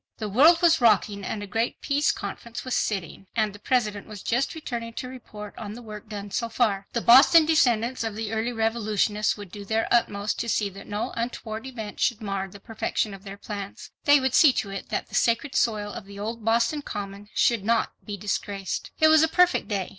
The world was rocking and a great peace conference was sitting, and the President was just returning to report on the work done so far. The Boston descendants of the early revolutionists would do their utmost to see that no untoward event should mar the perfection of their plans. They would see to it that the sacred soil of the old Boston Common should not be disgraced. It was a perfect day.